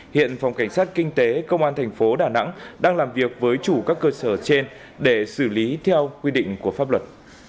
hiện phòng cảnh sát kinh tế công an thành phố đà nẵng đang làm việc với chủ các cơ sở trên để xử lý theo quy định của pháp luật